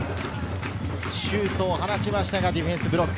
シュートを放ちましたがディフェンスがブロック。